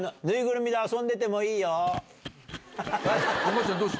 縫いぐるみで遊んでてもいいよ。